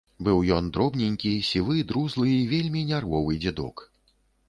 Быў ён дробненькі, сівы, друзлы і вельмі нервовы дзядок.